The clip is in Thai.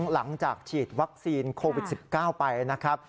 หลังจากฉีดวัคซีนโควิด๑๙ไปนะครับ